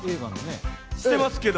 してますけど。